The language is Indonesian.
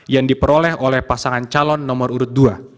yang diperoleh oleh pasangan calon nomor urut dua